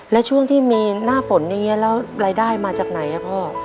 แล้วช่วงที่มีหน้าฝนรายได้มาจากไหนหรือพ่อ